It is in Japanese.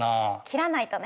切らないとね。